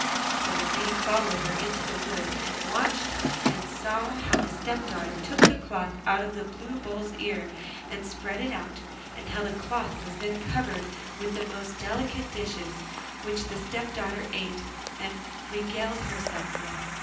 So the maid followed her into the wood and watched, and saw how the step daughter took the cloth out of the Blue Bull's ear, and spread it out, and how the cloth was then covered with the most delicate dishes, which the step daughter ate and regaled herself with.